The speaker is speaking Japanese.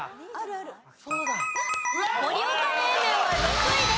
盛岡冷麺は６位です。